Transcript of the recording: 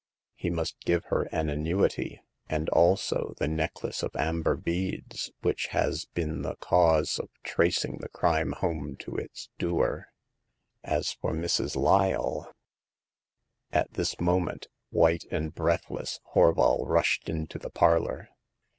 He must give her an annuity, and also the necklace of amber beads, which has been the cause of tracing the crime home to its doer. As for Mrs. Lyle " At this moment, white and breathless, Horval rushed into the parlor.